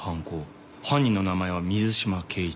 犯人の名前は水島恵一。